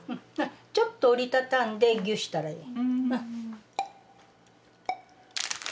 ちょっと折り畳んでギュッしたらいいわ。